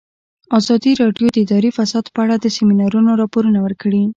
ازادي راډیو د اداري فساد په اړه د سیمینارونو راپورونه ورکړي.